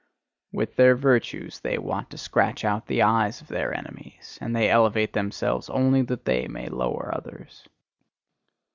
With their virtues they want to scratch out the eyes of their enemies; and they elevate themselves only that they may lower others.